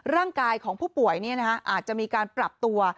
ร่างกายของผู้ป่วยอาจจะมีการปรับตัว